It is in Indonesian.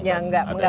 ya enggak enggak